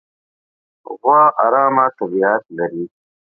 غوا ارامه طبیعت لري.